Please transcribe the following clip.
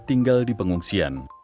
tinggal di pengungsian